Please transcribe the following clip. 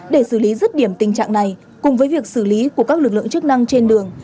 để xử lý rứt điểm tình trạng này cùng với việc xử lý của các lực lượng chức năng trên đường